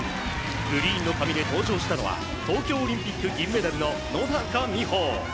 グリーンの髪で登場したのは東京オリンピック銀メダルの野中生萌。